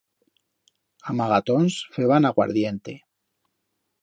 A amagatons feban aguardiente.